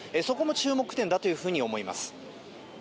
そこも注目点だと思います。